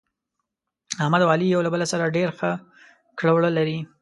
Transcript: احمد او علي یو له بل سره ډېر ښه کړه وړه لري.